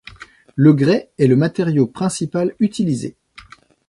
Le grès est le matériau principal utilisé.